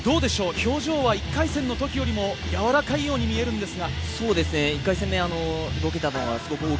表情は１回戦の時よりもやわらかいように見えるんですが。